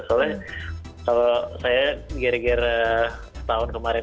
soalnya kalau saya gara gara setahun kemarin